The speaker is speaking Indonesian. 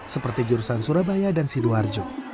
seperti jurusan surabaya dan sidoarjo